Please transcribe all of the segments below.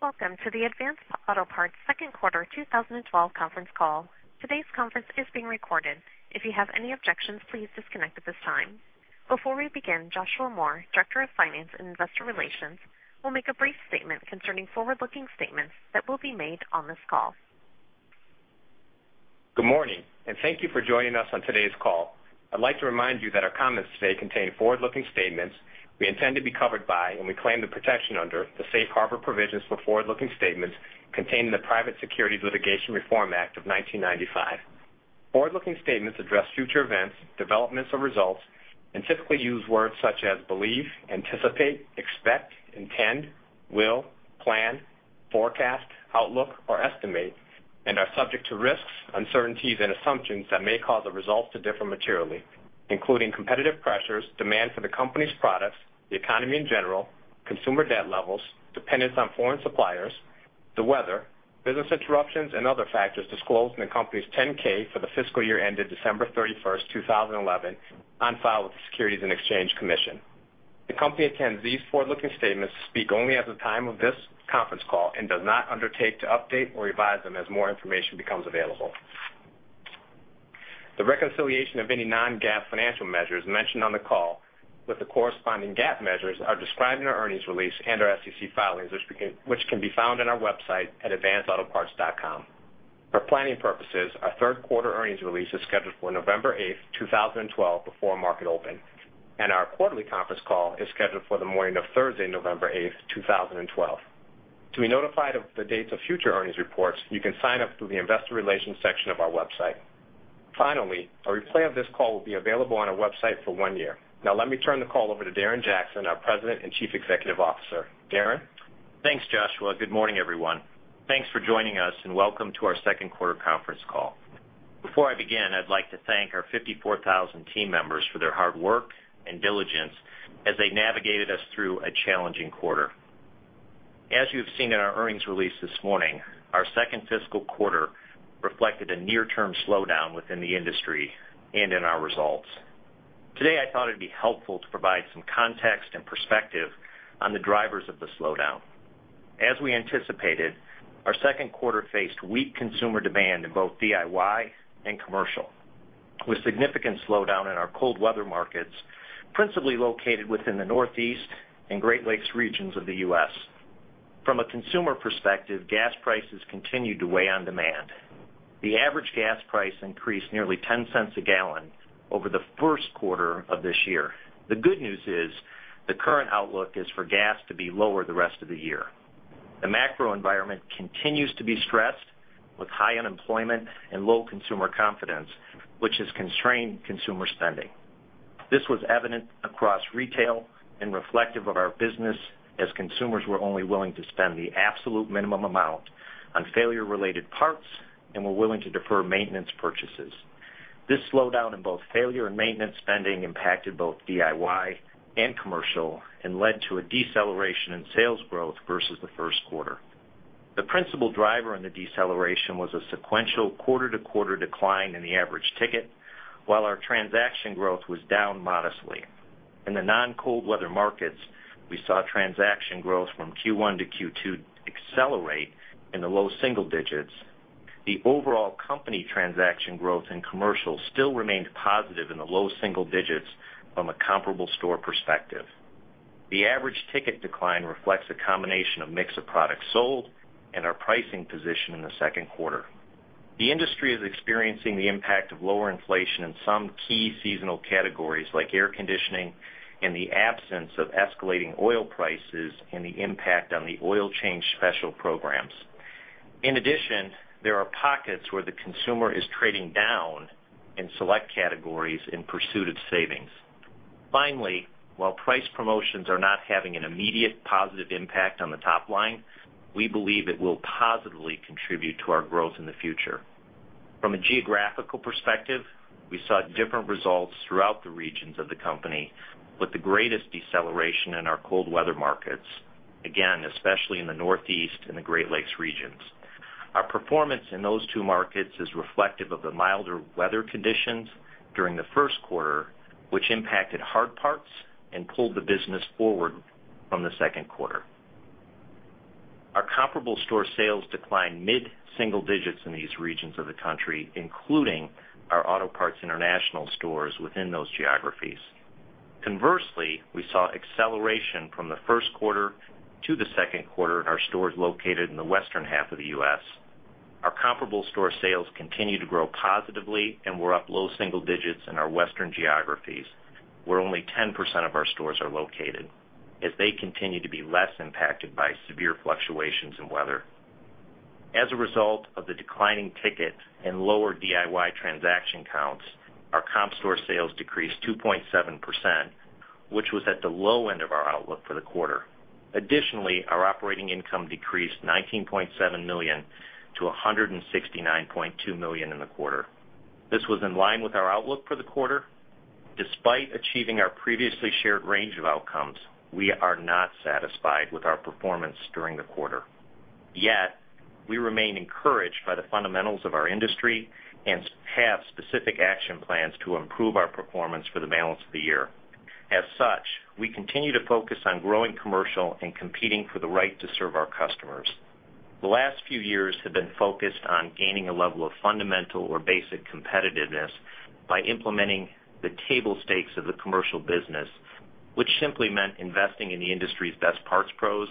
Welcome to the Advance Auto Parts second quarter 2012 conference call. Today's conference is being recorded. If you have any objections, please disconnect at this time. Before we begin, Joshua Moore, Director of Finance and Investor Relations, will make a brief statement concerning forward-looking statements that will be made on this call. Good morning. Thank you for joining us on today's call. I'd like to remind you that our comments today contain forward-looking statements we intend to be covered by, and we claim the protection under, the safe harbor provisions for forward-looking statements contained in the Private Securities Litigation Reform Act of 1995. Forward-looking statements address future events, developments or results and typically use words such as believe, anticipate, expect, intend, will, plan, forecast, outlook, or estimate, and are subject to risks, uncertainties, and assumptions that may cause the results to differ materially, including competitive pressures, demand for the company's products, the economy in general, consumer debt levels, dependence on foreign suppliers, the weather, business interruptions, and other factors disclosed in the company's 10-K for the fiscal year ended December 31, 2011, on file with the Securities and Exchange Commission. The company intends these forward-looking statements to speak only as of the time of this conference call and does not undertake to update or revise them as more information becomes available. The reconciliation of any non-GAAP financial measures mentioned on the call with the corresponding GAAP measures are described in our earnings release and our SEC filings, which can be found on our website at advanceautoparts.com. For planning purposes, our third quarter earnings release is scheduled for November 8, 2012, before market open, and our quarterly conference call is scheduled for the morning of Thursday, November 8, 2012. To be notified of the dates of future earnings reports, you can sign up through the investor relations section of our website. Finally, a replay of this call will be available on our website for one year. Now let me turn the call over to Darren Jackson, our President and Chief Executive Officer. Darren? Thanks, Joshua. Good morning, everyone. Thanks for joining us, and welcome to our second quarter conference call. Before I begin, I'd like to thank our 54,000 team members for their hard work and diligence as they navigated us through a challenging quarter. As you have seen in our earnings release this morning, our second fiscal quarter reflected a near-term slowdown within the industry and in our results. Today, I thought it'd be helpful to provide some context and perspective on the drivers of the slowdown. As we anticipated, our second quarter faced weak consumer demand in both DIY and commercial, with significant slowdown in our cold weather markets, principally located within the Northeast and Great Lakes regions of the U.S. From a consumer perspective, gas prices continued to weigh on demand. The average gas price increased nearly $0.10 a gallon over the first quarter of this year. The good news is the current outlook is for gas to be lower the rest of the year. The macro environment continues to be stressed with high unemployment and low consumer confidence, which has constrained consumer spending. This was evident across retail and reflective of our business as consumers were only willing to spend the absolute minimum amount on failure-related parts and were willing to defer maintenance purchases. This slowdown in both failure and maintenance spending impacted both DIY and commercial and led to a deceleration in sales growth versus the first quarter. The principal driver in the deceleration was a sequential quarter-to-quarter decline in the average ticket, while our transaction growth was down modestly. In the non-cold weather markets, we saw transaction growth from Q1 to Q2 accelerate in the low single digits. The overall company transaction growth in commercial still remained positive in the low single digits from a comparable store perspective. The average ticket decline reflects a combination of mix of products sold and our pricing position in the second quarter. The industry is experiencing the impact of lower inflation in some key seasonal categories like air conditioning and the absence of escalating oil prices and the impact on the oil change special programs. In addition, there are pockets where the consumer is trading down in select categories in pursuit of savings. Finally, while price promotions are not having an immediate positive impact on the top line, we believe it will positively contribute to our growth in the future. From a geographical perspective, we saw different results throughout the regions of the company with the greatest deceleration in our cold weather markets, again, especially in the Northeast and the Great Lakes regions. Our performance in those two markets is reflective of the milder weather conditions during the first quarter, which impacted hard parts and pulled the business forward from the second quarter. Our comparable store sales declined mid-single digits in these regions of the country, including our Autopart International stores within those geographies. Conversely, we saw acceleration from the first quarter to the second quarter in our stores located in the western half of the U.S. Our comparable store sales continue to grow positively, and we're up low single digits in our western geographies, where only 10% of our stores are located, as they continue to be less impacted by severe fluctuations in weather. As a result of the declining ticket and lower DIY transaction counts, our comp store sales decreased 2.7%, which was at the low end of our outlook for the quarter. Additionally, our operating income decreased $19.7 million to $169.2 million in the quarter. This was in line with our outlook for the quarter. Despite achieving our previously shared range of outcomes, we are not satisfied with our performance during the quarter. Yet we remain encouraged by the fundamentals of our industry and have specific action plans to improve our performance for the balance of the year. As such, we continue to focus on growing commercial and competing for the right to serve our customers. The last few years have been focused on gaining a level of fundamental or basic competitiveness by implementing the table stakes of the commercial business, which simply meant investing in the industry's best parts pros,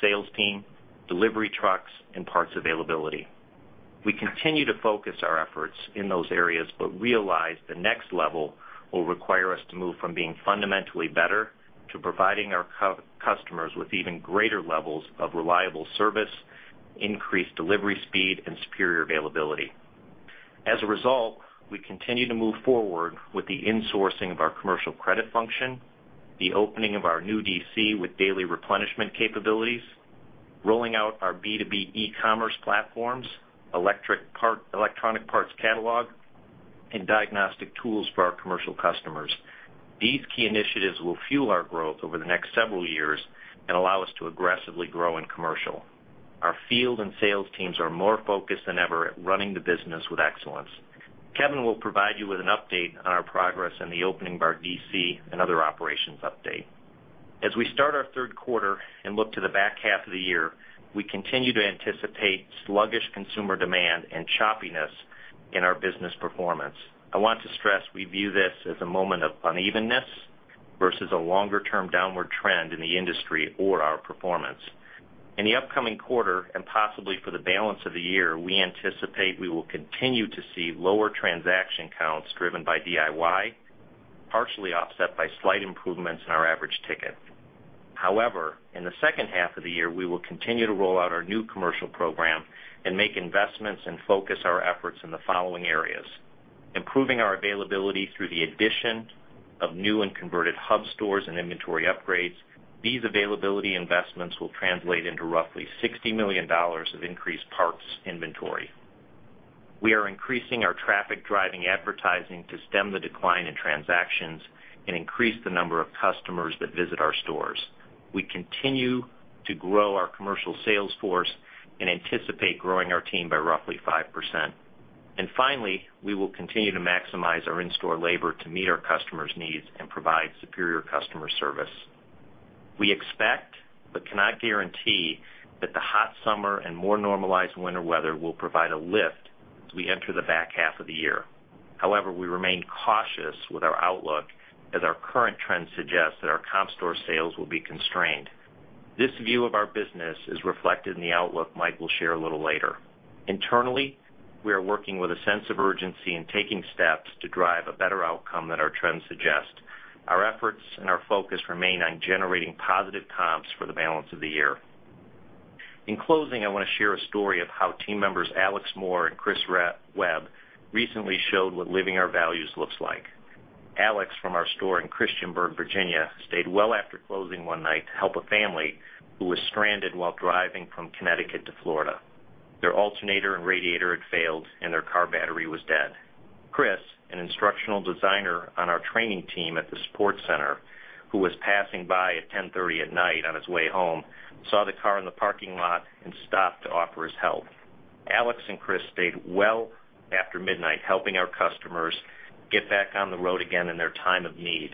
sales team, delivery trucks, and parts availability. We continue to focus our efforts in those areas, but realize the next level will require us to move from being fundamentally better to providing our customers with even greater levels of reliable service, increased delivery speed, and superior availability. As a result, we continue to move forward with the insourcing of our commercial credit function, the opening of our new DC with daily replenishment capabilities, rolling out our B2B e-commerce platforms, electronic parts catalog, and diagnostic tools for our commercial customers. These key initiatives will fuel our growth over the next several years and allow us to aggressively grow in commercial. Our field and sales teams are more focused than ever at running the business with excellence. Kevin will provide you with an update on our progress in the opening of our DC and other operations update. As we start our third quarter and look to the back half of the year, we continue to anticipate sluggish consumer demand and choppiness in our business performance. I want to stress we view this as a moment of unevenness versus a longer-term downward trend in the industry or our performance. In the upcoming quarter, and possibly for the balance of the year, we anticipate we will continue to see lower transaction counts driven by DIY, partially offset by slight improvements in our average ticket. However, in the second half of the year, we will continue to roll out our new commercial program and make investments and focus our efforts in the following areas: improving our availability through the addition of new and converted hub stores and inventory upgrades. These availability investments will translate into roughly $60 million of increased parts inventory. We are increasing our traffic-driving advertising to stem the decline in transactions and increase the number of customers that visit our stores. We continue to grow our commercial sales force and anticipate growing our team by roughly 5%. Finally, we will continue to maximize our in-store labor to meet our customers' needs and provide superior customer service. We expect, but cannot guarantee, that the hot summer and more normalized winter weather will provide a lift as we enter the back half of the year. However, we remain cautious with our outlook, as our current trends suggest that our comp store sales will be constrained. This view of our business is reflected in the outlook Mike will share a little later. Internally, we are working with a sense of urgency and taking steps to drive a better outcome than our trends suggest. Our efforts and our focus remain on generating positive comps for the balance of the year. In closing, I want to share a story of how team members Alex Moore and Chris Webb recently showed what living our values looks like. Alex, from our store in Christiansburg, Virginia, stayed well after closing one night to help a family who was stranded while driving from Connecticut to Florida. Their alternator and radiator had failed, and their car battery was dead. Chris, an instructional designer on our training team at the support center, who was passing by at 10:30 P.M. on his way home, saw the car in the parking lot and stopped to offer his help. Alex and Chris stayed well after midnight, helping our customers get back on the road again in their time of need.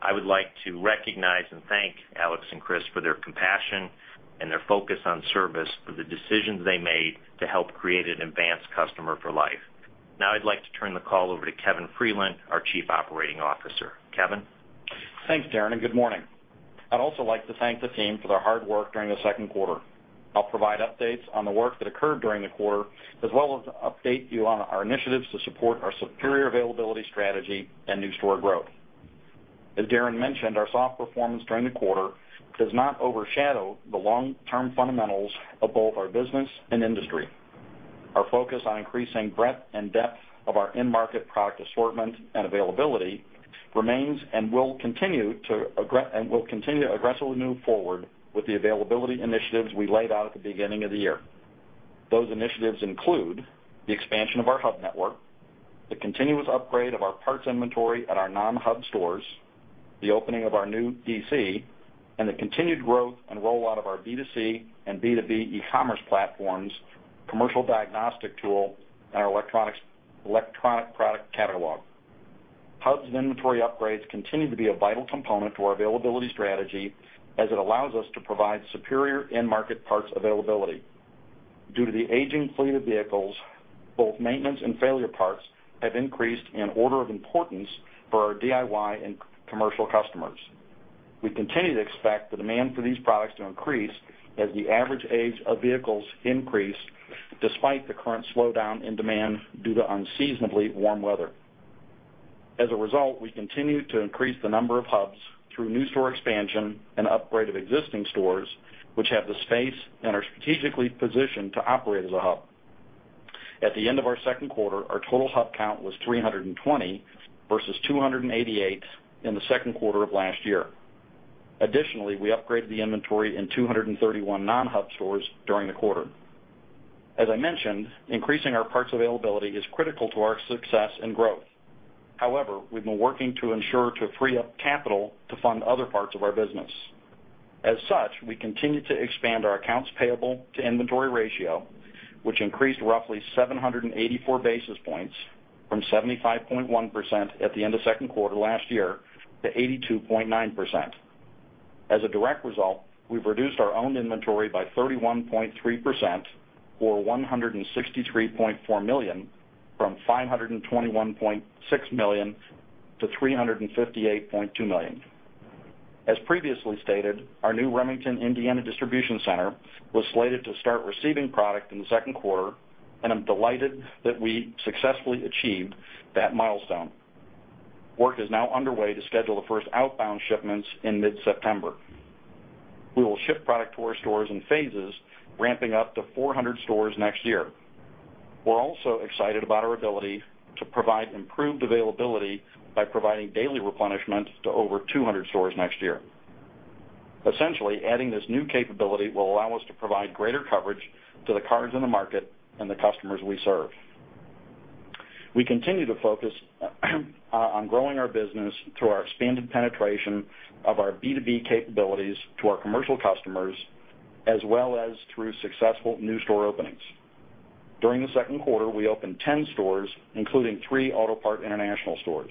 I would like to recognize and thank Alex and Chris for their compassion and their focus on service for the decisions they made to help create an Advance Auto Parts customer for life. I'd like to turn the call over to Kevin Freeland, our Chief Operating Officer. Kevin? Thanks, Darren, good morning. I'd also like to thank the team for their hard work during the second quarter. I'll provide updates on the work that occurred during the quarter, as well as update you on our initiatives to support our superior availability strategy and new store growth. As Darren mentioned, our soft performance during the quarter does not overshadow the long-term fundamentals of both our business and industry. Our focus on increasing breadth and depth of our end-market product assortment and availability remains and will continue to aggressively move forward with the availability initiatives we laid out at the beginning of the year. Those initiatives include the expansion of our hub network, the continuous upgrade of our parts inventory at our non-hub stores, the opening of our new DC, and the continued growth and rollout of our B2C and B2B e-commerce platforms, commercial diagnostic tool, and our electronic product catalog. Hubs and inventory upgrades continue to be a vital component to our availability strategy as it allows us to provide superior end-market parts availability. Due to the aging fleet of vehicles, both maintenance and failure parts have increased in order of importance for our DIY and commercial customers. We continue to expect the demand for these products to increase as the average age of vehicles increase despite the current slowdown in demand due to unseasonably warm weather. As a result, we continue to increase the number of hubs through new store expansion and upgrade of existing stores, which have the space and are strategically positioned to operate as a hub. At the end of our second quarter, our total hub count was 320 versus 288 in the second quarter of last year. Additionally, we upgraded the inventory in 231 non-hub stores during the quarter. As I mentioned, increasing our parts availability is critical to our success and growth. However, we've been working to ensure to free up capital to fund other parts of our business. As such, we continue to expand our accounts payable to inventory ratio, which increased roughly 784 basis points from 75.1% at the end of second quarter last year to 82.9%. As a direct result, we've reduced our own inventory by 31.3%, or $163.4 million, from $521.6 million to $358.2 million. As previously stated, our new Remington, Indiana distribution center was slated to start receiving product in the second quarter, and I'm delighted that we successfully achieved that milestone. Work is now underway to schedule the first outbound shipments in mid-September. We will ship product to our stores in phases, ramping up to 400 stores next year. We're also excited about our ability to provide improved availability by providing daily replenishment to over 200 stores next year. Essentially, adding this new capability will allow us to provide greater coverage to the cars in the market and the customers we serve. We continue to focus on growing our business through our expanded penetration of our B2B capabilities to our commercial customers, as well as through successful new store openings. During the second quarter, we opened 10 stores, including three Autopart International stores.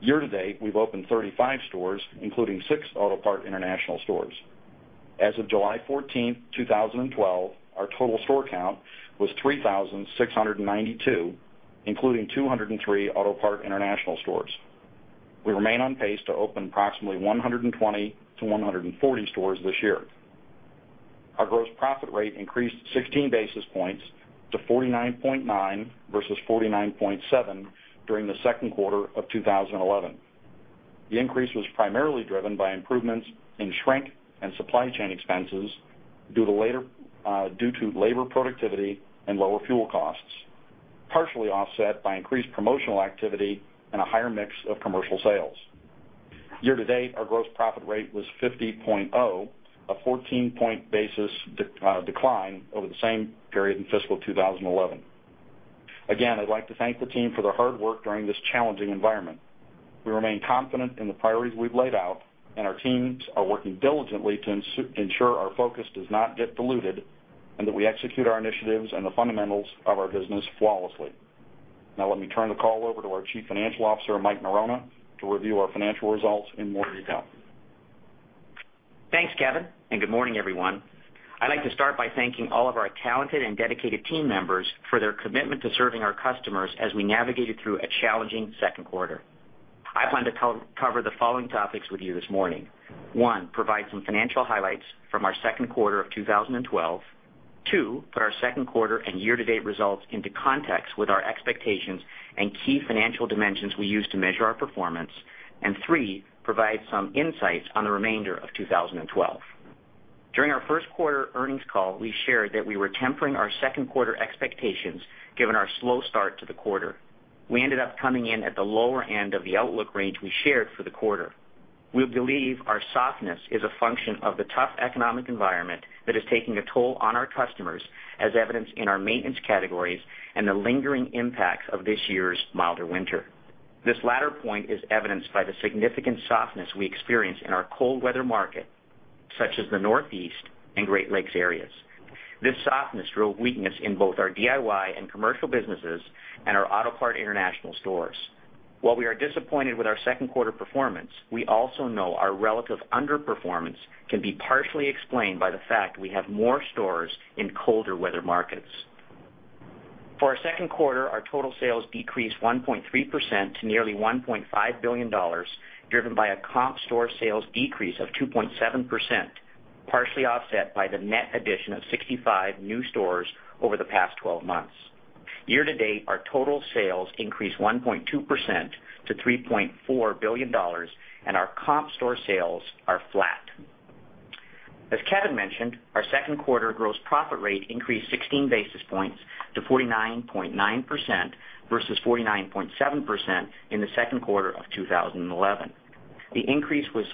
Year-to-date, we've opened 35 stores, including six Autopart International stores. As of July 14th, 2012, our total store count was 3,692, including 203 Autopart International stores. We remain on pace to open approximately 120 to 140 stores this year. Our gross profit rate increased 16 basis points to 49.9% versus 49.7% during the second quarter of 2011. The increase was primarily driven by improvements in shrink and supply chain expenses due to labor productivity and lower fuel costs, partially offset by increased promotional activity and a higher mix of commercial sales. Year-to-date, our gross profit rate was 50.0%, a 14-point basis decline over the same period in fiscal 2011. Again, I'd like to thank the team for their hard work during this challenging environment. We remain confident in the priorities we've laid out, and our teams are working diligently to ensure our focus does not get diluted and that we execute our initiatives and the fundamentals of our business flawlessly. Now, let me turn the call over to our Chief Financial Officer, Mike Norona, to review our financial results in more detail. Thanks, Kevin, good morning, everyone. I'd like to start by thanking all of our talented and dedicated team members for their commitment to serving our customers as we navigated through a challenging second quarter. I plan to cover the following topics with you this morning. 1, provide some financial highlights from our second quarter of 2012. 2, put our second quarter and year-to-date results into context with our expectations and key financial dimensions we use to measure our performance. 3, provide some insights on the remainder of 2012. During our first quarter earnings call, we shared that we were tempering our second quarter expectations, given our slow start to the quarter. We ended up coming in at the lower end of the outlook range we shared for the quarter. We believe our softness is a function of the tough economic environment that is taking a toll on our customers, as evidenced in our maintenance categories and the lingering impacts of this year's milder winter. This latter point is evidenced by the significant softness we experience in our cold weather market, such as the Northeast and Great Lakes areas. This softness drove weakness in both our DIY and commercial businesses and our Autopart International stores. While we are disappointed with our second quarter performance, we also know our relative underperformance can be partially explained by the fact we have more stores in colder weather markets. For our second quarter, our total sales decreased 1.3% to nearly $1.5 billion, driven by a comp store sales decrease of 2.7%, partially offset by the net addition of 65 new stores over the past 12 months. Year-to-date, our total sales increased 1.2% to $3.4 billion, our comp store sales are flat. As Kevin mentioned, our second quarter gross profit rate increased 16 basis points to 49.9% versus 49.7% in the second quarter of 2011. The increase was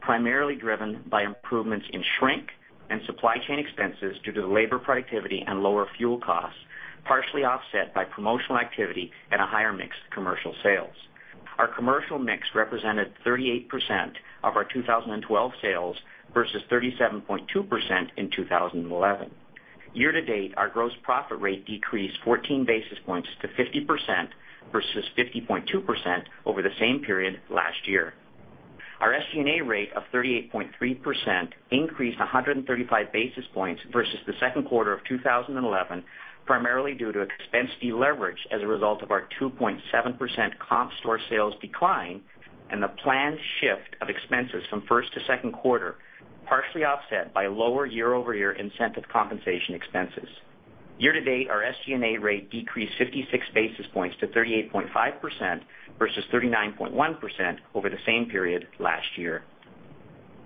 primarily driven by improvements in shrink and supply chain expenses due to labor productivity and lower fuel costs, partially offset by promotional activity and a higher mix commercial sales. Our commercial mix represented 38% of our 2012 sales versus 37.2% in 2011. Year-to-date, our gross profit rate decreased 14 basis points to 50% versus 50.2% over the same period last year. Our SG&A rate of 38.3% increased 135 basis points versus the second quarter of 2011, primarily due to expense deleverage as a result of our 2.7% comp store sales decline and the planned shift of expenses from first to second quarter, partially offset by lower year-over-year incentive compensation expenses. Year-to-date, our SG&A rate decreased 56 basis points to 38.5% versus 39.1% over the same period last year.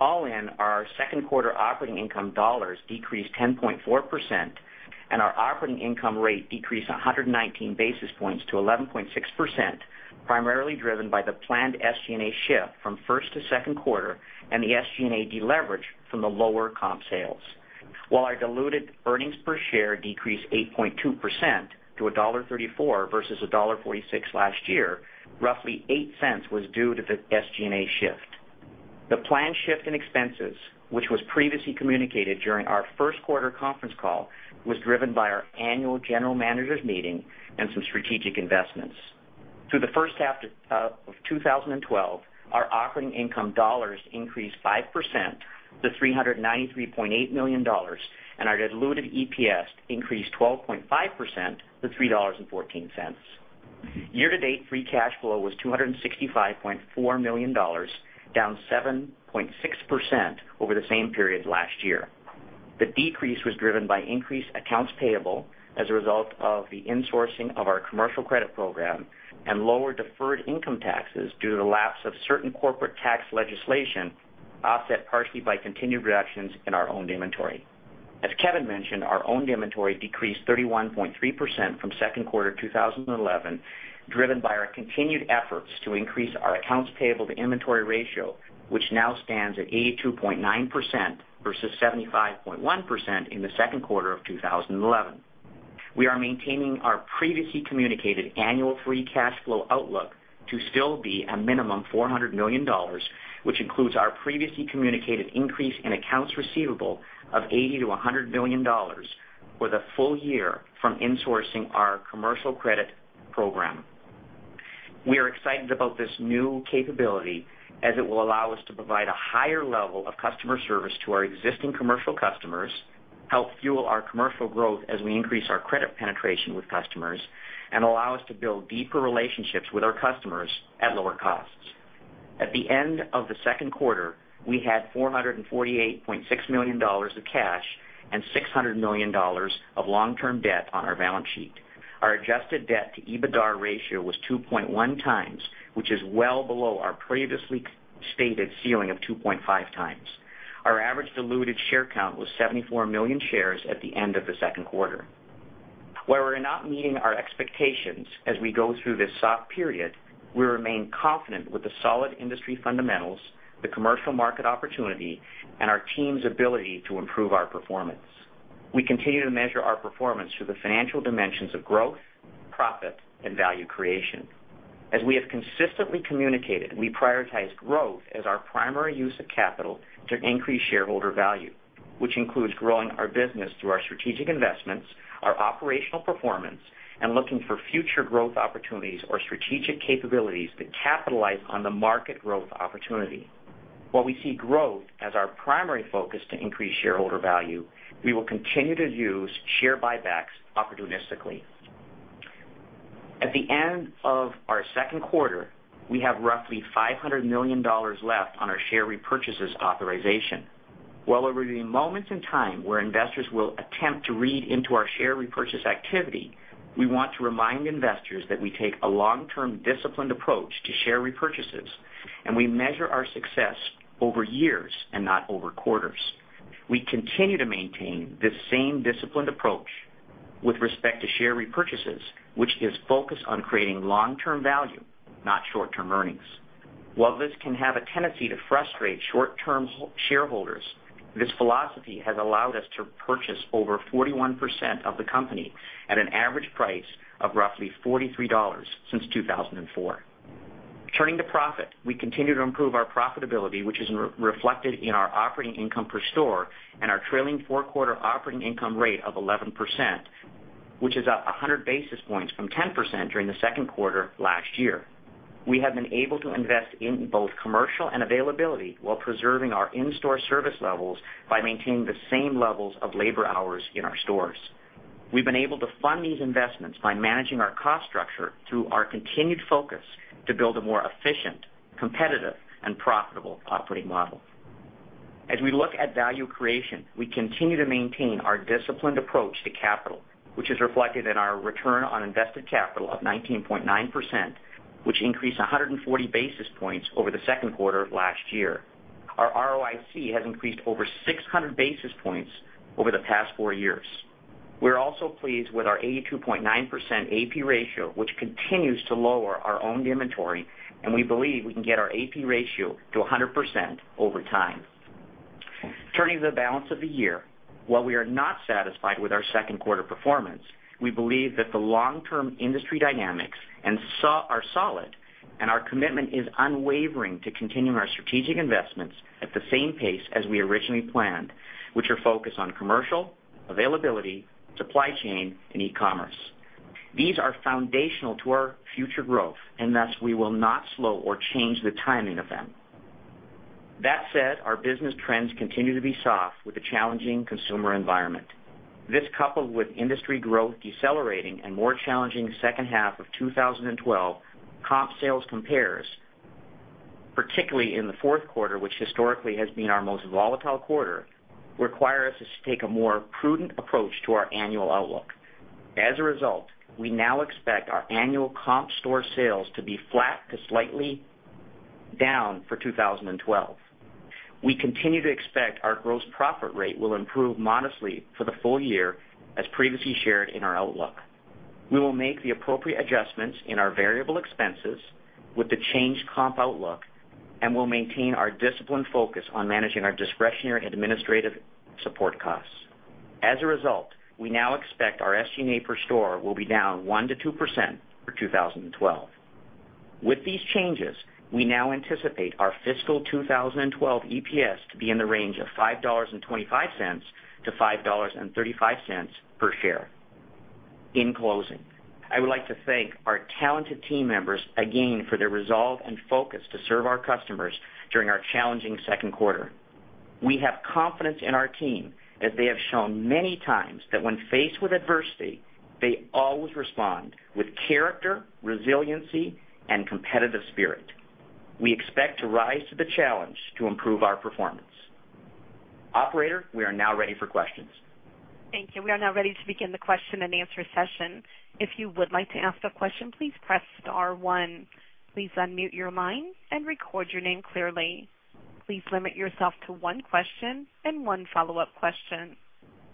All in, our second quarter operating income dollars decreased 10.4%, our operating income rate decreased 119 basis points to 11.6%, primarily driven by the planned SG&A shift from first to second quarter and the SG&A deleverage from the lower comp sales. While our diluted earnings per share decreased 8.2% to $1.34 versus $1.46 last year, roughly $0.08 was due to the SG&A shift. The planned shift in expenses, which was previously communicated during our first quarter conference call, was driven by our annual general managers meeting and some strategic investments. Through the first half of 2012, our operating income dollars increased 5% to $393.8 million, and our diluted EPS increased 12.5% to $3.14. Year-to-date, free cash flow was $265.4 million, down 7.6% over the same period last year. The decrease was driven by increased accounts payable as a result of the insourcing of our commercial credit program and lower deferred income taxes due to the lapse of certain corporate tax legislation, offset partially by continued reductions in our owned inventory. As Kevin mentioned, our owned inventory decreased 31.3% from second quarter 2011, driven by our continued efforts to increase our accounts payable to inventory ratio, which now stands at 82.9% versus 75.1% in the second quarter of 2011. We are maintaining our previously communicated annual free cash flow outlook to still be a minimum $400 million, which includes our previously communicated increase in accounts receivable of $80 million-$100 million with a full year from insourcing our commercial credit program. We are excited about this new capability, as it will allow us to provide a higher level of customer service to our existing commercial customers, help fuel our commercial growth as we increase our credit penetration with customers, and allow us to build deeper relationships with our customers at lower costs. At the end of the second quarter, we had $448.6 million of cash and $600 million of long-term debt on our balance sheet. Our adjusted debt to EBITDAR ratio was 2.1 times, which is well below our previously stated ceiling of 2.5 times. Our average diluted share count was 74 million shares at the end of the second quarter. Where we're not meeting our expectations as we go through this soft period, we remain confident with the solid industry fundamentals, the commercial market opportunity, and our team's ability to improve our performance. We continue to measure our performance through the financial dimensions of growth, profit, and value creation. As we have consistently communicated, we prioritize growth as our primary use of capital to increase shareholder value, which includes growing our business through our strategic investments, our operational performance, and looking for future growth opportunities or strategic capabilities that capitalize on the market growth opportunity. While we see growth as our primary focus to increase shareholder value, we will continue to use share buybacks opportunistically. At the end of our second quarter, we have roughly $500 million left on our share repurchases authorization. While there will be moments in time where investors will attempt to read into our share repurchase activity, we want to remind investors that we take a long-term, disciplined approach to share repurchases. We measure our success over years and not over quarters. We continue to maintain this same disciplined approach with respect to share repurchases, which is focused on creating long-term value, not short-term earnings. While this can have a tendency to frustrate short-term shareholders, this philosophy has allowed us to purchase over 41% of the company at an average price of roughly $43 since 2004. Turning to profit, we continue to improve our profitability, which is reflected in our operating income per store and our trailing four-quarter operating income rate of 11%, which is up 100 basis points from 10% during the second quarter last year. We have been able to invest in both commercial and availability while preserving our in-store service levels by maintaining the same levels of labor hours in our stores. We've been able to fund these investments by managing our cost structure through our continued focus to build a more efficient, competitive, and profitable operating model. As we look at value creation, we continue to maintain our disciplined approach to capital, which is reflected in our return on invested capital of 19.9%, which increased 140 basis points over the second quarter of last year. Our ROIC has increased over 600 basis points over the past four years. We are also pleased with our 82.9% AP ratio, which continues to lower our owned inventory, and we believe we can get our AP ratio to 100% over time. Turning to the balance of the year, while we are not satisfied with our second quarter performance, we believe that the long-term industry dynamics are solid and our commitment is unwavering to continue our strategic investments at the same pace as we originally planned, which are focused on commercial, availability, supply chain, and e-commerce. These are foundational to our future growth, thus, we will not slow or change the timing of them. That said, our business trends continue to be soft with a challenging consumer environment. This coupled with industry growth decelerating and more challenging second half of 2012 comp sales compares, particularly in the fourth quarter, which historically has been our most volatile quarter, require us to take a more prudent approach to our annual outlook. As a result, we now expect our annual comp store sales to be flat to slightly down for 2012. We continue to expect our gross profit rate will improve modestly for the full year, as previously shared in our outlook. We will make the appropriate adjustments in our variable expenses with the changed comp outlook and will maintain our disciplined focus on managing our discretionary administrative support costs. As a result, we now expect our SG&A per store will be down 1% to 2% for 2012. With these changes, we now anticipate our fiscal 2012 EPS to be in the range of $5.25 to $5.35 per share. In closing, I would like to thank our talented team members again for their resolve and focus to serve our customers during our challenging second quarter. We have confidence in our team, as they have shown many times that when faced with adversity, they always respond with character, resiliency, and competitive spirit. We expect to rise to the challenge to improve our performance. Operator, we are now ready for questions. Thank you. We are now ready to begin the question and answer session. If you would like to ask a question, please press star one. Please unmute your line and record your name clearly. Please limit yourself to one question and one follow-up question.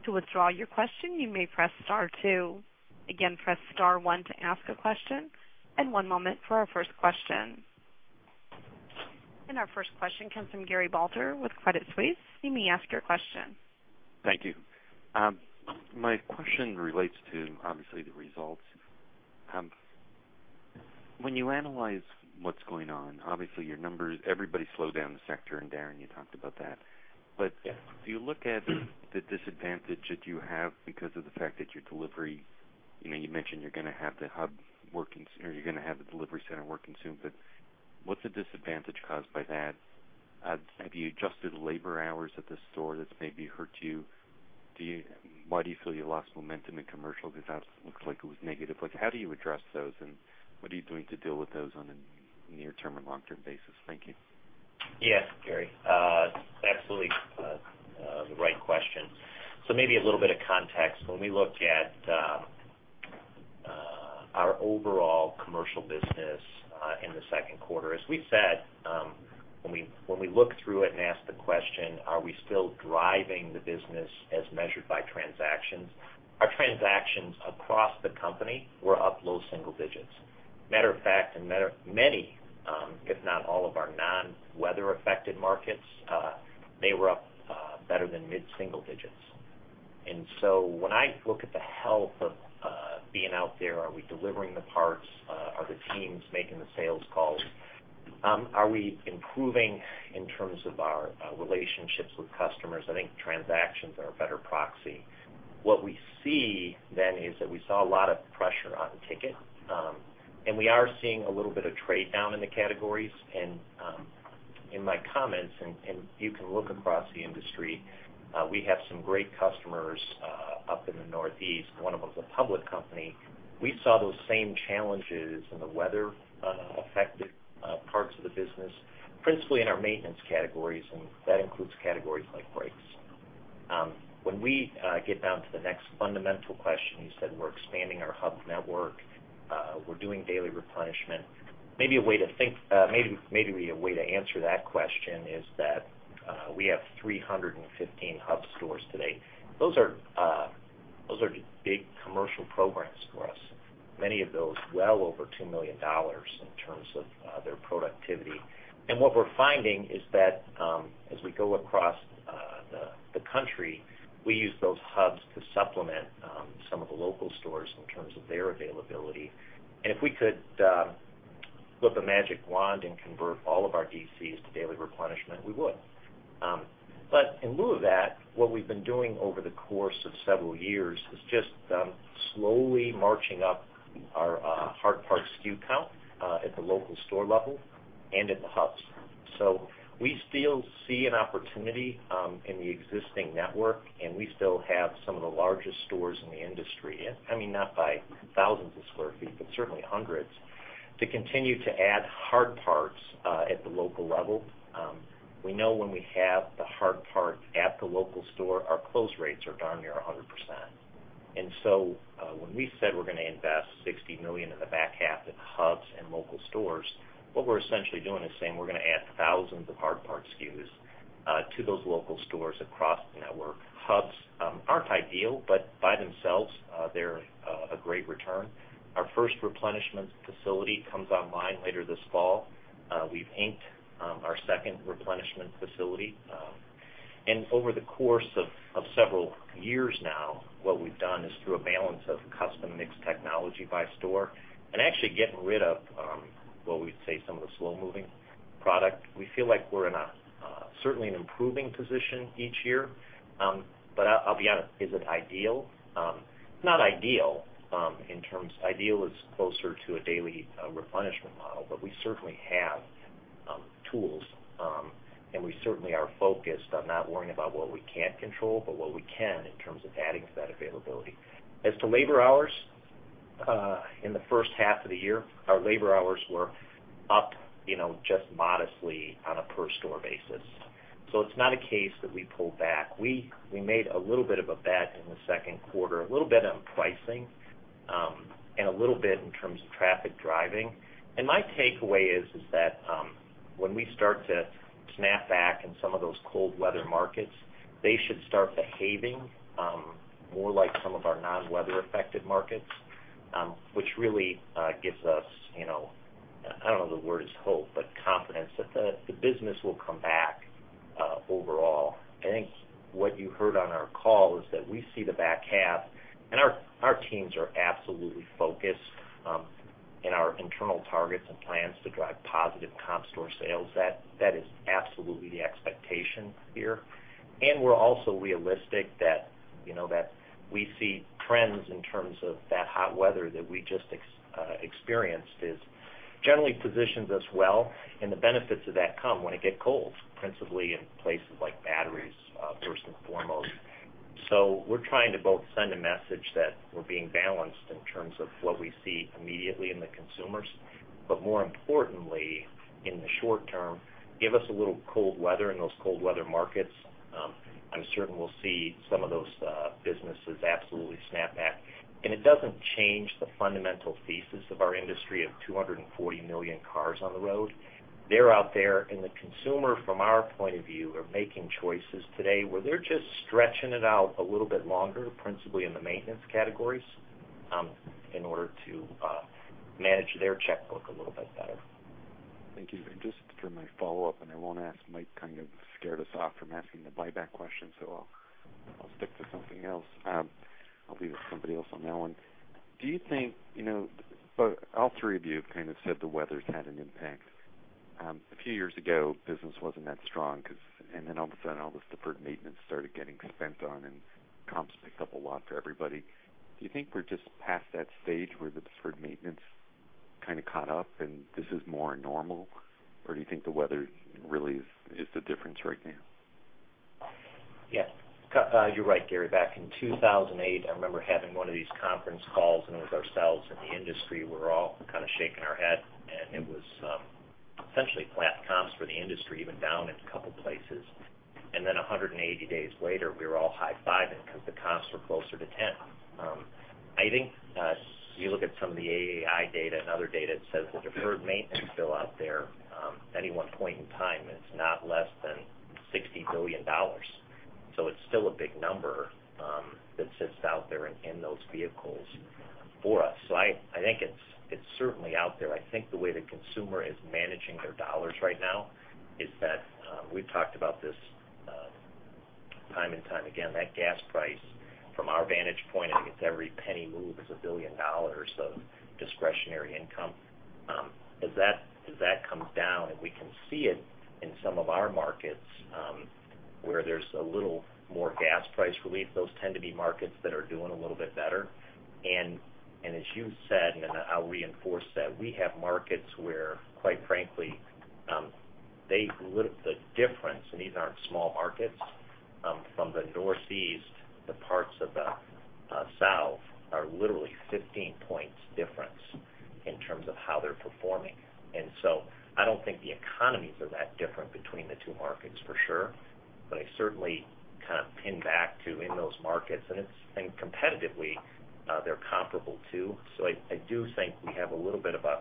To withdraw your question, you may press star two. Again, press star one to ask a question, one moment for our first question. Our first question comes from Gary Balter with Credit Suisse. You may ask your question. Thank you. My question relates to, obviously, the results. When you analyze what's going on, obviously your numbers, everybody slowed down the sector, Darren, you talked about that. Yeah Do you look at the disadvantage that you have because of the fact that your delivery, you mentioned you're going to have the delivery center working soon, but what's the disadvantage caused by that? Have you adjusted labor hours at the store that's maybe hurt you? Why do you feel you lost momentum in commercial? That looks like it was negative. How do you address those, and what are you doing to deal with those on a near-term and long-term basis? Thank you. Yes, Gary. Absolutely the right question. Maybe a little bit of context. When we look at our overall commercial business in the second quarter, as we said, when we look through it and ask the question, are we still driving the business as measured by transactions? Our transactions across the company were up low single digits. Matter of fact, in many, if not all of our non-weather affected markets, they were up better than mid-single digits. When I look at the health of being out there, are we delivering the parts? Are the teams making the sales calls? Are we improving in terms of our relationships with customers? I think transactions are a better proxy. What we see then is that we saw a lot of pressure on ticket. We are seeing a little bit of trade down in the categories. In my comments, you can look across the industry, we have some great customers up in the Northeast. One of them is a public company. We saw those same challenges in the weather-affected parts of the business, principally in our maintenance categories, that includes categories like brakes. When we get down to the next fundamental question, you said we're expanding our hub network, we're doing daily replenishment. Maybe a way to answer that question is that we have 315 hub stores today. Those are big commercial programs for us. Many of those well over $2 million in terms of their productivity. What we're finding is that as we go across the country, we use those hubs to supplement some of the local stores in terms of their availability. If we could flip a magic wand and convert all of our DCs to daily replenishment, we would. In lieu of that, what we've been doing over the course of several years is just slowly marching up our hard parts SKU count at the local store level and in the hubs. We still see an opportunity in the existing network, we still have some of the largest stores in the industry. Not by thousands of sq ft, but certainly hundreds, to continue to add hard parts at the local level. We know when we have the hard parts at the local store, our close rates are darn near 100%. When we said we're going to invest $60 million in the back half in hubs and local stores, what we're essentially doing is saying we're going to add thousands of hard part SKUs to those local stores across the network. Hubs aren't ideal, but by themselves, they're a great return. Our first replenishment facility comes online later this fall. We've inked our second replenishment facility. Over the course of several years now, what we've done is through a balance of custom mix technology by store and actually getting rid of, what we'd say, some of the slow-moving product. We feel like we're in certainly an improving position each year. I'll be honest, is it ideal? It's not ideal. Ideal is closer to a daily replenishment model, we certainly have tools, we certainly are focused on not worrying about what we can't control, but what we can in terms of adding to that availability. As to labor hours, in the first half of the year, our labor hours were up just modestly on a per store basis. It's not a case that we pulled back. We made a little bit of a bet in the second quarter, a little bit on pricing, a little bit in terms of traffic driving. My takeaway is that When we start to snap back in some of those cold weather markets, they should start behaving more like some of our non-weather affected markets, which really gives us, I don't know if the word is hope, but confidence that the business will come back overall. I think what you heard on our call is that we see the back half. Our teams are absolutely focused in our internal targets and plans to drive positive comp store sales. That is absolutely the expectation here. We're also realistic that we see trends in terms of that hot weather that we just experienced, is generally positions us well, and the benefits of that come when it get cold, principally in places like batteries, first and foremost. We're trying to both send a message that we're being balanced in terms of what we see immediately in the consumers. More importantly, in the short term, give us a little cold weather in those cold weather markets. I'm certain we'll see some of those businesses absolutely snap back. It doesn't change the fundamental thesis of our industry of 240 million cars on the road. They're out there, and the consumer, from our point of view, are making choices today where they're just stretching it out a little bit longer, principally in the maintenance categories, in order to manage their checkbook a little bit better. Thank you. Just for my follow-up, I won't ask. Mike kind of scared us off from asking the buyback question, I'll stick to something else. I'll leave it to somebody else on that one. All three of you have said the weather's had an impact. A few years ago, business wasn't that strong. All of a sudden, all this deferred maintenance started getting spent on. Comps picked up a lot for everybody. Do you think we're just past that stage where the deferred maintenance kind of caught up and this is more normal, or do you think the weather really is the difference right now? Yes. You're right, Gary. Back in 2008, I remember having one of these conference calls. It was ourselves and the industry, we were all kind of shaking our head. It was essentially flat comps for the industry, even down in a couple of places. 180 days later, we were all high-fiving because the comps were closer to 10. I think, you look at some of the AAIA data and other data that says the deferred maintenance bill out there, any one point in time, it's not less than $60 billion. It's still a big number that sits out there in those vehicles for us. I think it's certainly out there. I think the way the consumer is managing their $ is that we've talked about this time and time again, that gas price, from our vantage point, I think it's every penny move is $1 billion of discretionary income. As that comes down, and we can see it in some of our markets where there's a little more gas price relief, those tend to be markets that are doing a little bit better. As you said, and I'll reinforce that, we have markets where, quite frankly the difference, and these aren't small markets from the Northeast to parts of the South are literally 15 points difference in terms of how they're performing. I don't think the economies are that different between the two markets for sure, but I certainly kind of pin back to in those markets, and competitively, they're comparable too. I do think we have a little bit of a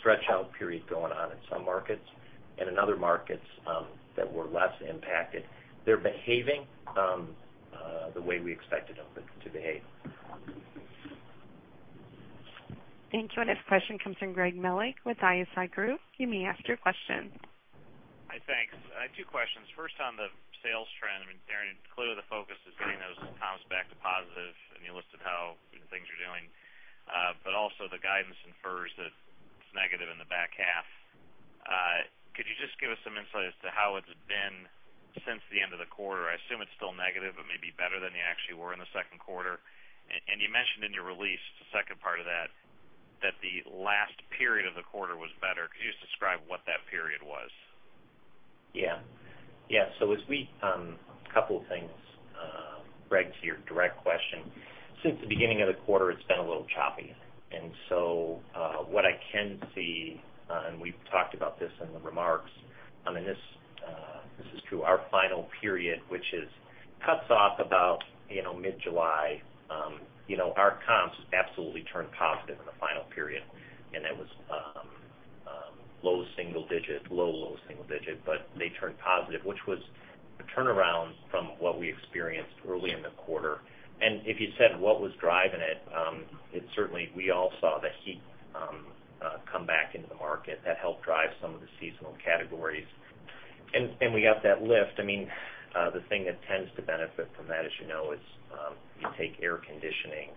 stretch out period going on in some markets. In other markets that were less impacted, they're behaving the way we expected them to behave. Thank you. Our next question comes from Greg Melich with ISI Group. You may ask your question. Hi, thanks. I have two questions. First, on the sales trend, I mean, Darren, clearly the focus is getting those comps back to positive, and you listed how things are doing. Also the guidance infers that it's negative in the back half. Could you just give us some insight as to how it's been since the end of the quarter? I assume it's still negative, but maybe better than you actually were in the second quarter. You mentioned in your release, the second part of that the last period of the quarter was better. Could you just describe what that period was? Yeah. A couple of things, Greg, to your direct question. Since the beginning of the quarter, it's been a little choppy. What I can see, and we've talked about this in the remarks, and this is true, our final period, which cuts off about mid-July. Our comps absolutely turned positive in the final period, and that was low single digit, low, low single digit, but they turned positive, which was a turnaround from what we experienced early in the quarter. If you said what was driving it's certainly we all saw the heat come back into the market. That helped drive some of the seasonal categories. We got that lift. The thing that tends to benefit from that, as you know, is you take air conditioning.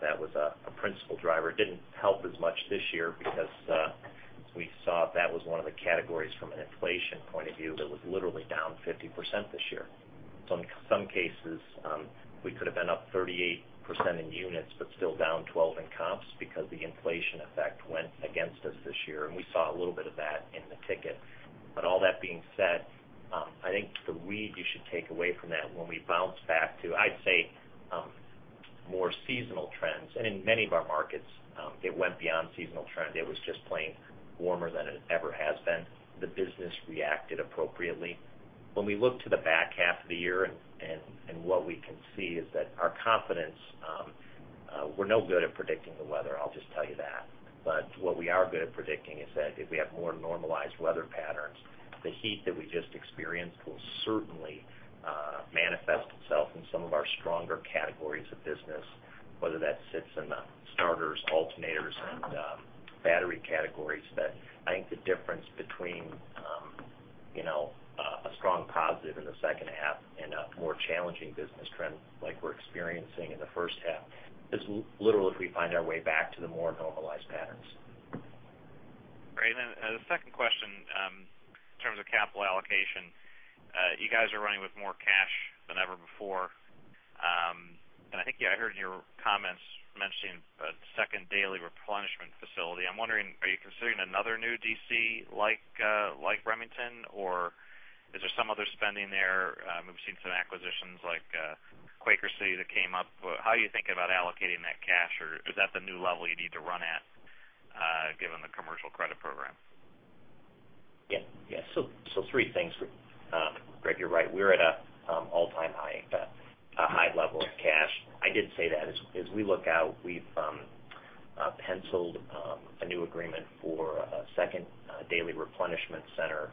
That was a principal driver. It didn't help as much this year because we saw that was one of the categories from an inflation point of view that was literally down 50% this year. In some cases, we could have been up 38% in units, but still down 12 in comps because the inflation effect went against us this year, and we saw a little bit of that in the ticket. All that being said, I think the read you should take away from that when we bounce back to, I'd say, more seasonal trends, and in many of our markets it went beyond seasonal trend. It was just plain warmer than it ever has been. The business reacted appropriately. When we look to the back half of the year and what we can see is that our confidence. We're no good at predicting the weather, I'll just tell you that. What we are good at predicting is that if we have more normalized weather patterns, the heat that we just experienced will certainly manifest itself in some of our stronger categories of business, whether that sits in the starters, alternators, and battery categories. I think the difference between a strong positive in the second half and a more challenging business trend like we're experiencing in the first half is literally if we find our way back to the more normalized patterns. Great. The second question, in terms of capital allocation, you guys are running with more cash than ever before. I think I heard in your comments mentioning a second daily replenishment facility. I'm wondering, are you considering another new DC like Remington, or is there some other spending there? We've seen some acquisitions like Quaker City that came up. How are you thinking about allocating that cash, or is that the new level you need to run at given the commercial credit program? Yeah. Three things, Greg. You're right. We're at an all-time high level of cash. I did say that as we look out, we've penciled a new agreement for a second daily replenishment center.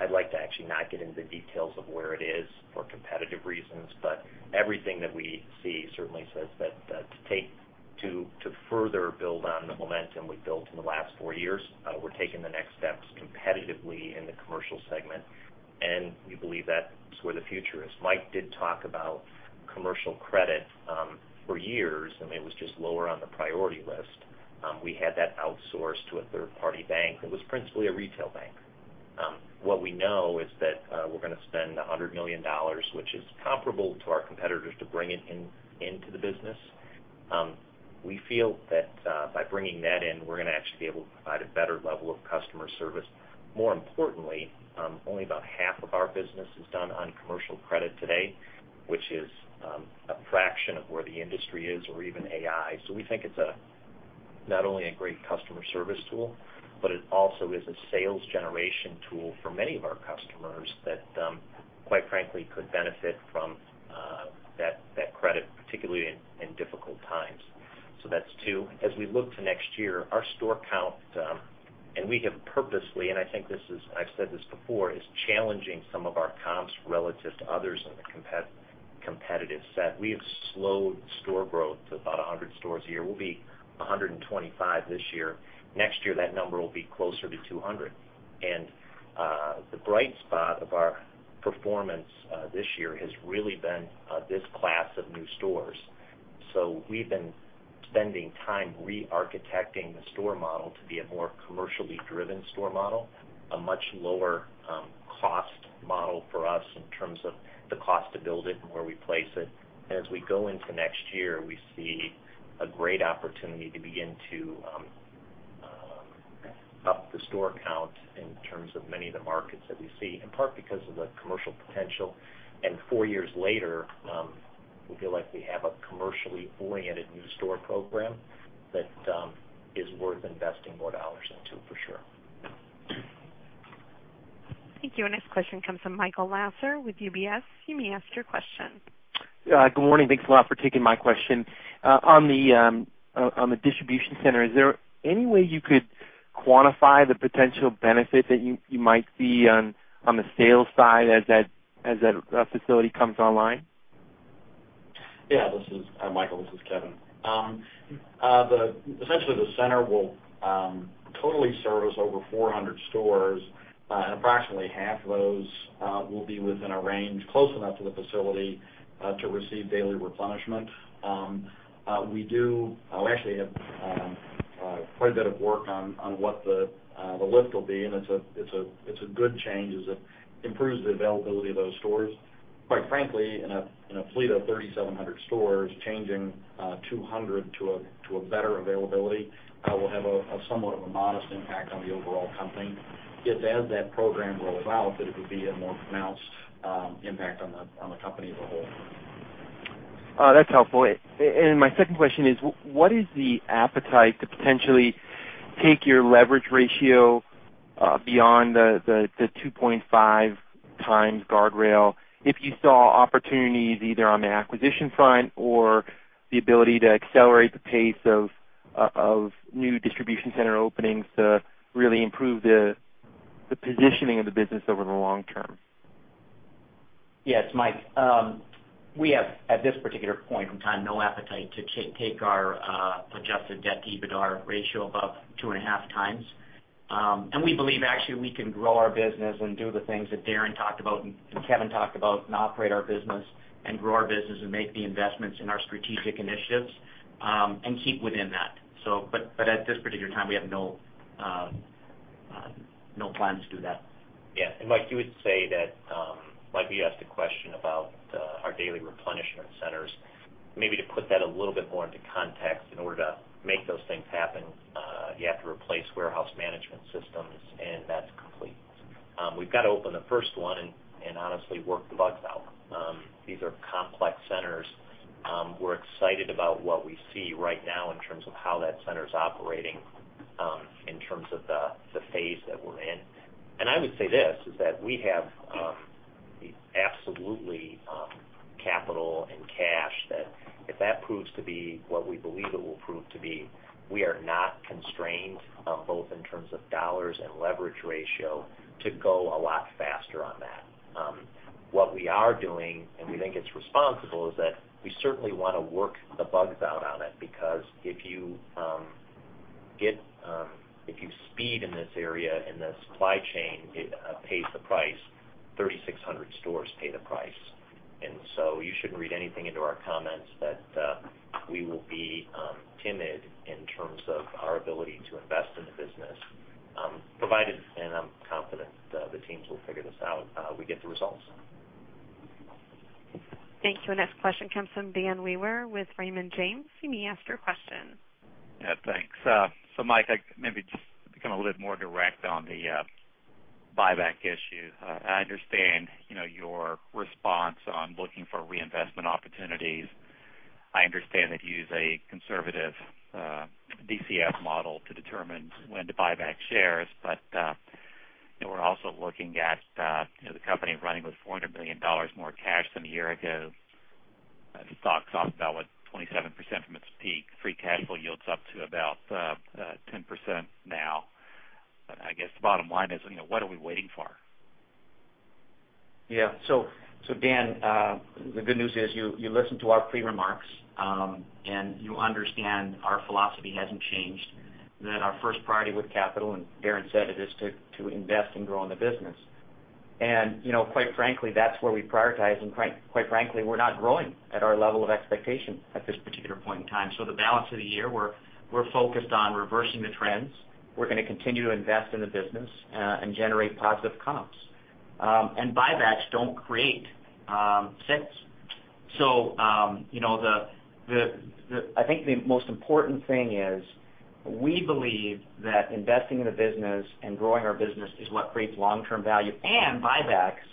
I'd like to actually not get into the details of where it is for competitive reasons. Everything that we see certainly says that to further build on the momentum we've built in the last four years, we're taking the next steps competitively in the commercial segment, and we believe that's where the future is. Mike did talk about commercial credit for years. It was just lower on the priority list. We had that outsourced to a third-party bank. It was principally a retail bank. What we know is that we're going to spend $100 million, which is comparable to our competitors, to bring it into the business. We feel that by bringing that in, we're going to actually be able to provide a better level of customer service. More importantly, only about half of our business is done on commercial credit today, which is a fraction of where the industry is or even AI. We think it's not only a great customer service tool, but it also is a sales generation tool for many of our customers that, quite frankly, could benefit from that credit, particularly in difficult times. That's two. As we look to next year, our store count, we have purposefully, and I've said this before, is challenging some of our comps relative to others in the competitive set. We have slowed store growth to about 100 stores a year. We'll be 125 this year. Next year, that number will be closer to 200. The bright spot of our performance this year has really been this class of new stores. We've been spending time re-architecting the store model to be a more commercially driven store model, a much lower cost model for us in terms of the cost to build it and where we place it. As we go into next year, we see a great opportunity to begin to up the store count in terms of many of the markets that we see, in part because of the commercial potential. Four years later, we feel like we have a commercially oriented new store program that is worth investing more dollars into, for sure. Thank you. Our next question comes from Michael Lasser with UBS. You may ask your question. Good morning. Thanks a lot for taking my question. On the distribution center, is there any way you could quantify the potential benefit that you might see on the sales side as that facility comes online? Yeah, Michael, this is Kevin. Essentially, the center will totally service over 400 stores, and approximately half of those will be within a range close enough to the facility to receive daily replenishment. We actually have quite a bit of work on what the lift will be, and it's a good change as it improves the availability of those stores. Quite frankly, in a fleet of 3,700 stores, changing 200 to a better availability will have somewhat of a modest impact on the overall company. As that program rolls out, it would be a more pronounced impact on the company as a whole. That's helpful. My second question is, what is the appetite to potentially take your leverage ratio beyond the 2.5 times guardrail if you saw opportunities either on the acquisition front or the ability to accelerate the pace of new distribution center openings to really improve the positioning of the business over the long term? Yes, Mike. We have, at this particular point in time, no appetite to take our adjusted debt to EBITDA ratio above two and a half times. We believe actually we can grow our business and do the things that Darren talked about and Kevin talked about and operate our business and grow our business and make the investments in our strategic initiatives and keep within that. At this particular time, we have no plans to do that. Yeah. Mike, you asked a question about our daily replenishment centers. Maybe to put that a little bit more into context, in order to make those things happen, you have to replace warehouse management systems, and that's complete. We've got to open the first one and honestly work the bugs out. These are complex centers. We're excited about what we see right now in terms of how that center's operating in terms of the phase that we're in. I would say this, is that we have Absolutely capital and cash, that if that proves to be what we believe it will prove to be, we are not constrained, both in terms of $ and leverage ratio, to go a lot faster on that. What we are doing, and we think it's responsible, is that we certainly want to work the bugs out on it, because if you speed in this area, in the supply chain, it pays the price, 3,600 stores pay the price. So you shouldn't read anything into our comments that we will be timid in terms of our ability to invest in the business, provided, and I'm confident the teams will figure this out, we get the results. Thank you. Next question comes from Dan Wewer with Raymond James. You may ask your question. Yeah, thanks. Mike, maybe just to become a little more direct on the buyback issue. I understand your response on looking for reinvestment opportunities. I understand that you use a conservative DCF model to determine when to buy back shares. We're also looking at the company running with $400 million more cash than a year ago. The stock's off about what, 27% from its peak. Free cash flow yields up to about 10% now. I guess the bottom line is, what are we waiting for? Yeah. Dan, the good news is you listened to our pre-remarks, and you understand our philosophy hasn't changed, that our first priority with capital, and Darren said it, is to invest and grow in the business. Quite frankly, that's where we prioritize and quite frankly, we're not growing at our level of expectation at this particular point in time. The balance of the year, we're focused on reversing the trends. We're going to continue to invest in the business and generate positive comps. Buybacks don't create sales. I think the most important thing is we believe that investing in the business and growing our business is what creates long-term value, and buybacks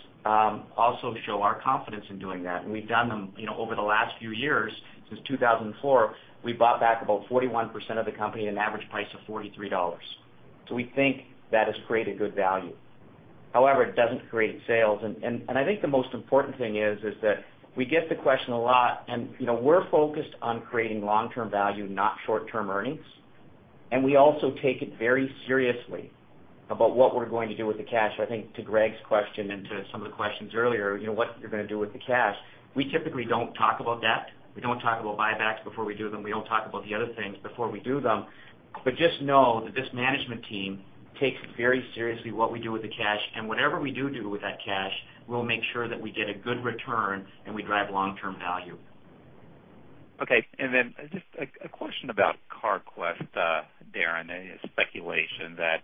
also show our confidence in doing that. We've done them over the last few years. Since 2004, we bought back about 41% of the company at an average price of $43. We think that has created good value. However, it doesn't create sales. I think the most important thing is that we get the question a lot and we're focused on creating long-term value, not short-term earnings. We also take it very seriously about what we're going to do with the cash. I think to Greg's question and to some of the questions earlier, what you're going to do with the cash. We typically don't talk about debt. We don't talk about buybacks before we do them. We don't talk about the other things before we do them. Just know that this management team takes very seriously what we do with the cash and whatever we do with that cash, we'll make sure that we get a good return and we drive long-term value. Just a question about Carquest, Darren. A speculation that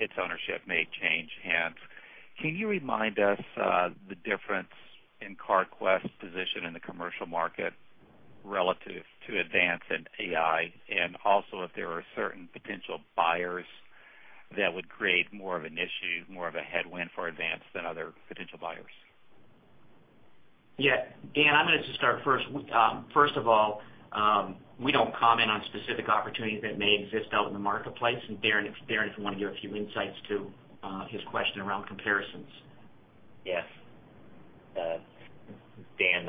its ownership may change hands. Can you remind us the difference in Carquest's position in the commercial market relative to Advance and AI, and also if there are certain potential buyers that would create more of an issue, more of a headwind for Advance than other potential buyers? Yeah. Dan, I'm going to just start first. First of all, we don't comment on specific opportunities that may exist out in the marketplace. Darren, if you want to give a few insights to his question around comparisons. Yes. Dan,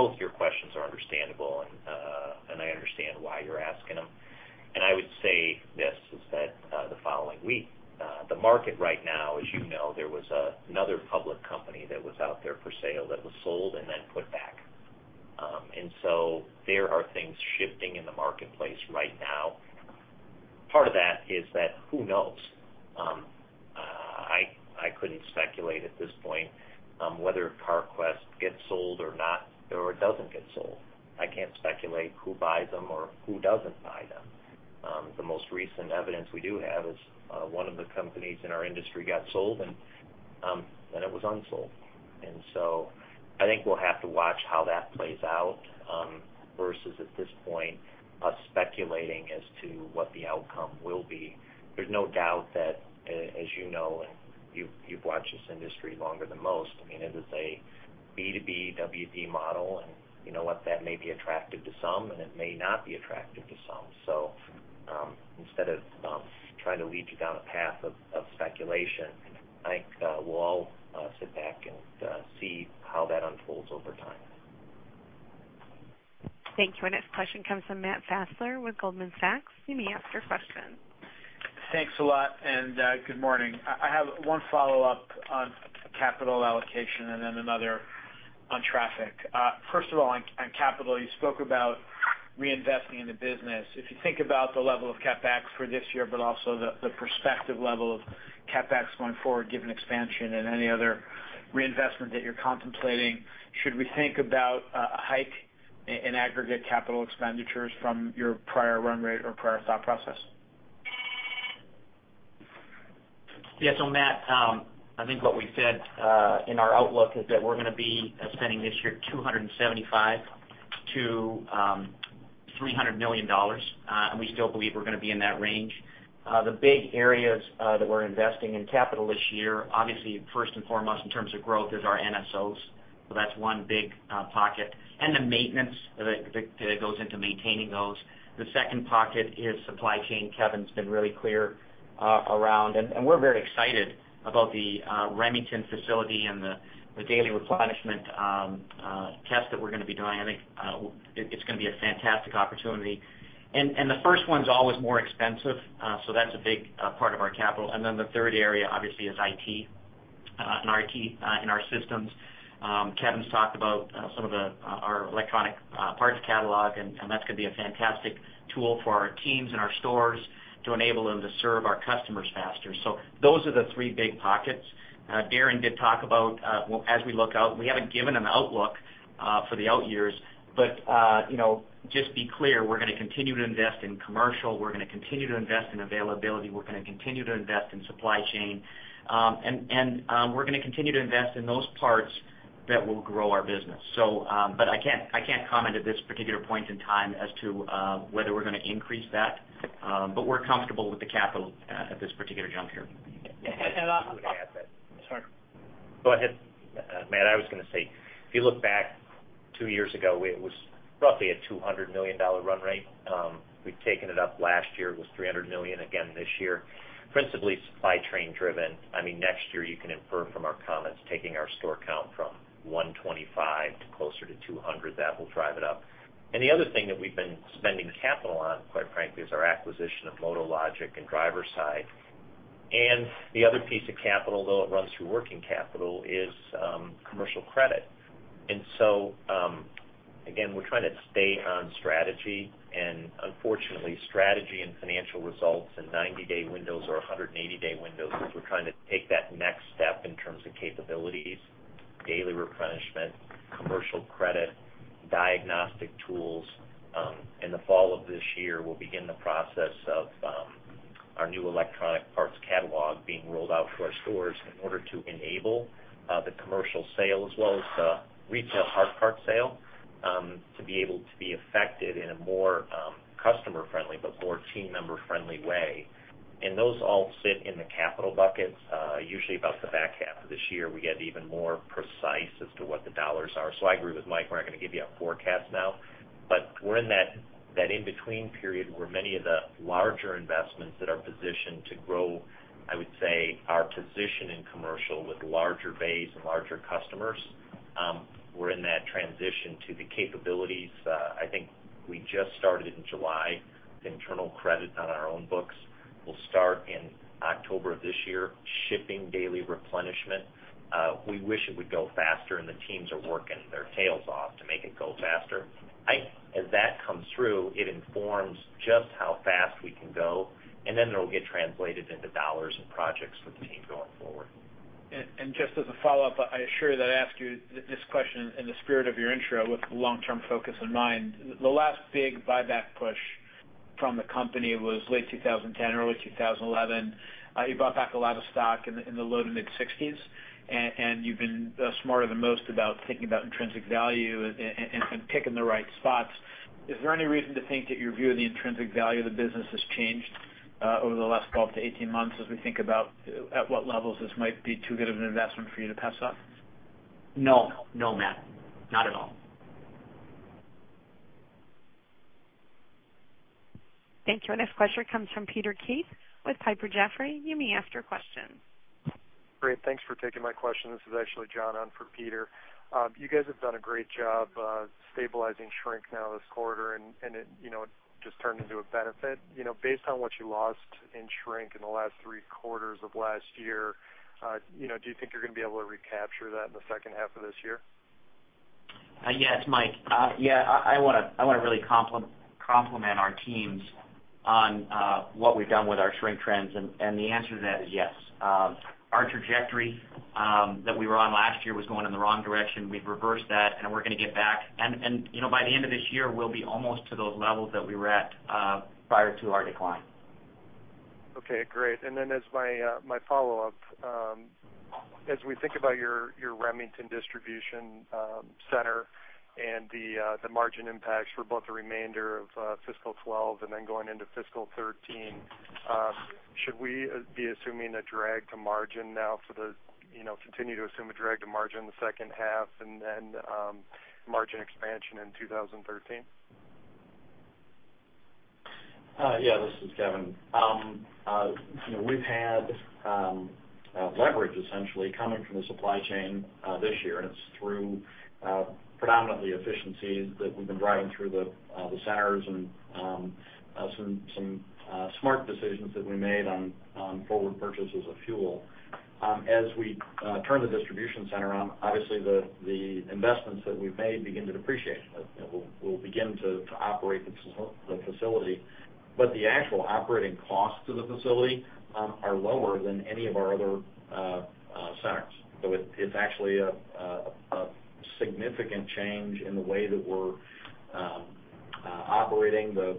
both your questions are understandable and I understand why you're asking them. I would say this, is that the following week, the market right now, as you know, there was another public company that was out there for sale that was sold and then put back. There are things shifting in the marketplace right now. Part of that is that who knows? I couldn't speculate at this point whether Carquest gets sold or not, or it doesn't get sold. I can't speculate who buys them or who doesn't buy them. The most recent evidence we do have is one of the companies in our industry got sold and then it was unsold. I think we'll have to watch how that plays out versus at this point, us speculating as to what the outcome will be. There's no doubt that, as you know, and you've watched this industry longer than most, it is a B2B model and you know what? That may be attractive to some, and it may not be attractive to some. Instead of trying to lead you down a path of speculation, I think we'll all sit back and see how that unfolds over time. Thank you. Our next question comes from Matt Fassler with Goldman Sachs. You may ask your question. Thanks a lot and good morning. I have one follow-up on capital allocation and then another on traffic. First of all, on capital, you spoke about reinvesting in the business. If you think about the level of CapEx for this year, but also the prospective level of CapEx going forward, given expansion and any other reinvestment that you're contemplating, should we think about a hike in aggregate capital expenditures from your prior run rate or prior thought process? Yeah. Matt, I think what we said in our outlook is that we're going to be spending this year $275 million-$300 million. We still believe we're going to be in that range. The big areas that we're investing in capital this year, obviously first and foremost in terms of growth is our NSOs. That's one big pocket, and the maintenance that goes into maintaining those. The second pocket is supply chain. Kevin's been really clear around, and we're very excited about the Remington facility and the daily replenishment test that we're going to be doing. I think it's going to be a fantastic opportunity. The first one's always more expensive, so that's a big part of our capital. The third area, obviously, is IT and our systems. Kevin's talked about some of our electronic parts catalog, and that's going to be a fantastic tool for our teams and our stores to enable them to serve our customers faster. Those are the three big pockets. Darren did talk about, as we look out, we haven't given an outlook for the out years, just be clear, we're going to continue to invest in commercial, we're going to continue to invest in availability, we're going to continue to invest in supply chain. We're going to continue to invest in those parts that will grow our business. I can't comment at this particular point in time as to whether we're going to increase that. We're comfortable with the capital at this particular juncture. I would add that. Sorry. Go ahead, Matt. I was going to say, if you look back two years ago, it was roughly a $200 million run rate. We've taken it up last year. It was $300 million again this year, principally supply chain driven. Next year, you can infer from our comments, taking our store count from 125 to closer to 200. That will drive it up. The other thing that we've been spending capital on, quite frankly, is our acquisition of MotoLogic and DriverSide. The other piece of capital, though it runs through working capital, is commercial credit. Again, we're trying to stay on strategy, and unfortunately, strategy and financial results and 90-day windows or 180-day windows, as we're trying to take that next step in terms of capabilities, daily replenishment, commercial credit, diagnostic tools. In the fall of this year, we'll begin the process of our new electronic parts catalog being rolled out to our stores in order to enable the commercial sale as well as the retail hard part sale to be able to be effective in a more customer friendly but more team member friendly way. Those all sit in the capital buckets. Usually about the back half of this year, we get even more precise as to what the dollars are. I agree with Mike. We're not going to give you a forecast now, but we're in that in between period where many of the larger investments that are positioned to grow, I would say, our position in commercial with larger base and larger customers. We're in that transition to the capabilities. I think we just started in July with internal credit on our own books. We'll start in October of this year, shipping daily replenishment. We wish it would go faster, the teams are working their tails off to make it go faster. As that comes through, it informs just how fast we can go, then it'll get translated into dollars and projects for the team going forward. Just as a follow-up, I assure you that I ask you this question in the spirit of your intro with long-term focus in mind. The last big buyback push from the company was late 2010, early 2011. You bought back a lot of stock in the low to mid-60s, you've been smarter than most about thinking about intrinsic value and picking the right spots. Is there any reason to think that your view of the intrinsic value of the business has changed over the last 12 to 18 months as we think about at what levels this might be too good of an investment for you to pass up? No, Matt. Not at all. Thank you. Our next question comes from Peter Keith with Piper Jaffray. You may ask your question. Great. Thanks for taking my question. This is actually John on for Peter. You guys have done a great job stabilizing shrink now this quarter, and it just turned into a benefit. Based on what you lost in shrink in the last three quarters of last year, do you think you're going to be able to recapture that in the second half of this year? Yes, Mike. I want to really compliment our teams on what we've done with our shrink trends. The answer to that is yes. Our trajectory that we were on last year was going in the wrong direction. We've reversed that. We're going to get back. By the end of this year, we'll be almost to those levels that we were at prior to our decline. Okay, great. Then as my follow-up, as we think about your Remington distribution center and the margin impacts for both the remainder of fiscal 2012 and then going into fiscal 2013, should we be assuming a drag to margin, continue to assume a drag to margin in the second half and then margin expansion in 2013? This is Kevin. We've had leverage essentially coming from the supply chain this year. It's through predominantly efficiencies that we've been driving through the centers and some smart decisions that we made on forward purchases of fuel. As we turn the distribution center on, obviously the investments that we've made begin to depreciate. We'll begin to operate the facility. The actual operating costs of the facility are lower than any of our other centers. It's actually a significant change in the way that we're operating the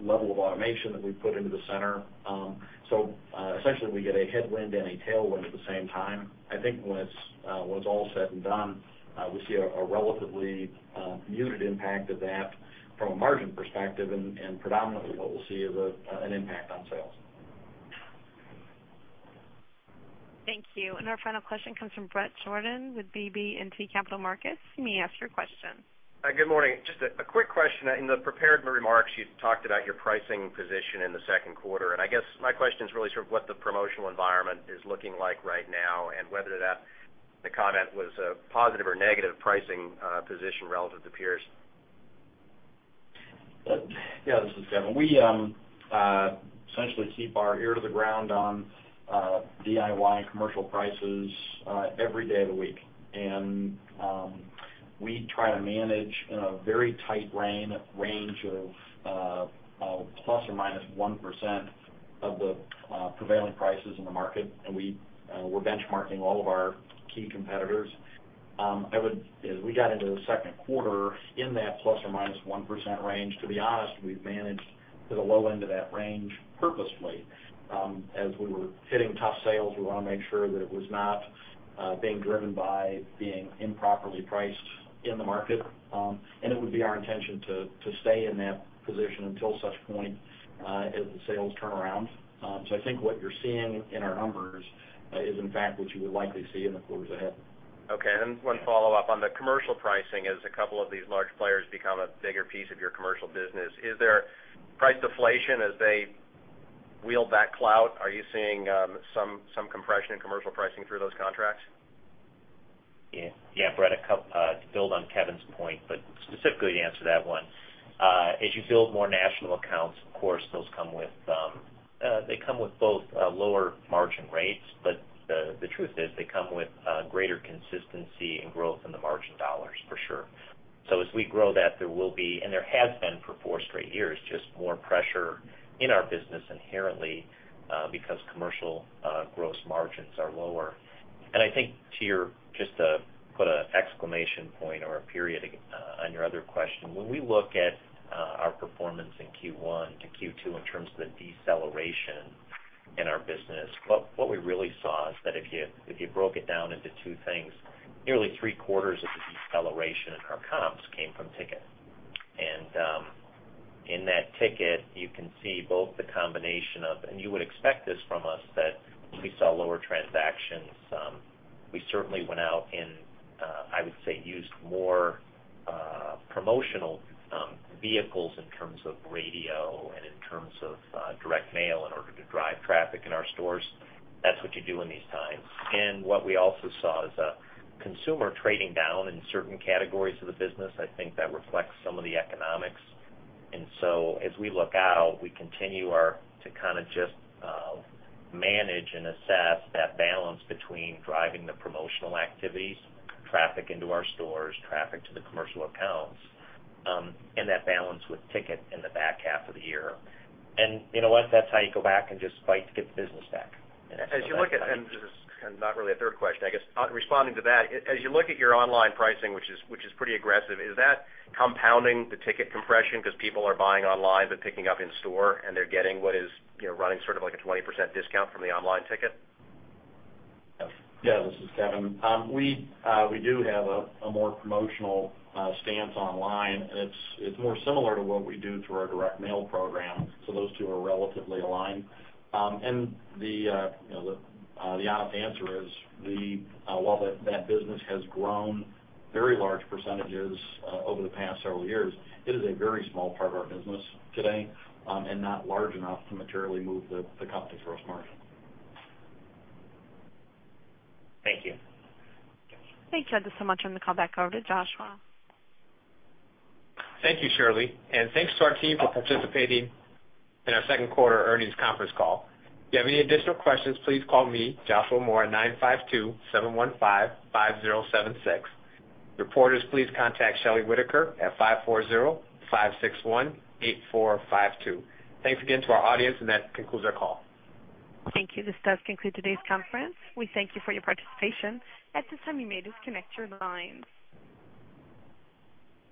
level of automation that we put into the center. Essentially, we get a headwind and a tailwind at the same time. I think when it's all said and done, we see a relatively muted impact of that from a margin perspective, and predominantly what we'll see is an impact on sales. Thank you. Our final question comes from Bret Jordan with BB&T Capital Markets. You may ask your question. Good morning. Just a quick question. In the prepared remarks, you talked about your pricing position in the second quarter, and I guess my question is really sort of what the promotional environment is looking like right now, and whether or not the comment was a positive or negative pricing position relative to peers. This is Kevin. We essentially keep our ear to the ground on DIY commercial prices every day of the week. We try to manage in a very tight range of ±1% of the prevailing prices in the market. We're benchmarking all of our key competitors. As we got into the second quarter in that ±1% range, to be honest, we've managed to the low end of that range purposefully. As we were hitting tough sales, we want to make sure that it was not being driven by being improperly priced in the market. It would be our intention to stay in that position until such point as the sales turn around. I think what you're seeing in our numbers is in fact what you would likely see in the quarters ahead. Okay. One follow-up on the commercial pricing. As a couple of these large players become a bigger piece of your commercial business, is there price deflation as they wield that clout? Are you seeing some compression in commercial pricing through those contracts? Yeah, Bret, to build on Kevin's point, specifically to answer that one. As you build more national accounts, of course, they come with both lower margin rates, but the truth is they come with greater consistency and growth in the margin dollars, for sure. As we grow that, there will be, and there has been for four straight years, just more pressure in our business inherently because commercial gross margins are lower. I think to put an exclamation point or a period on your other question, when we look at our performance in Q1 to Q2 in terms of the deceleration in our business, what we really saw is that if you broke it down into two things, nearly three-quarters of the deceleration in our comps came from ticket. In that ticket, you can see both the combination of, and you would expect this from us, that we saw lower transactions. We certainly went out and, I would say, used more promotional vehicles in terms of radio and in terms of direct mail in order to drive traffic in our stores. That's what you do in these times. What we also saw is consumer trading down in certain categories of the business. I think that reflects some of the economics. As we look out, we continue to kind of just manage and assess that balance between driving the promotional activities, traffic into our stores, traffic to the commercial accounts, and that balance with ticket in the back half of the year. You know what? That's how you go back and just fight to get the business back. This is not really a third question, I guess. Responding to that, as you look at your online pricing, which is pretty aggressive, is that compounding the ticket compression because people are buying online but picking up in-store, and they're getting what is running sort of like a 20% discount from the online ticket? This is Kevin. It's more similar to what we do through our direct mail program. Those two are relatively aligned. The honest answer is, while that business has grown very large % over the past several years, it is a very small part of our business today and not large enough to materially move the company's gross margin. Thank you. Thanks, Kevin. I'm going to turn the call back over to Joshua. Thank you, Shirley. Thanks to our team for participating in our second quarter earnings conference call. If you have any additional questions, please call me, Joshua Moore at [952] 715-5076. Reporters, please contact Shelley Whitaker at [540] 561-8452. Thanks again to our audience, that concludes our call. Thank you. This does conclude today's conference. We thank you for your participation. At this time, you may disconnect your lines.